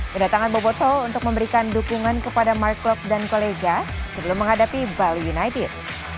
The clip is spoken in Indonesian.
kedatangan boboto untuk memberikan dukungan kepada mark klop dan kolega sebelum menghadapi bali united